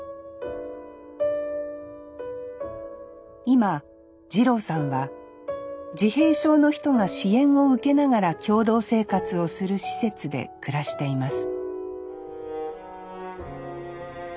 今二郎さんは自閉症の人が支援を受けながら共同生活をする施設で暮らしています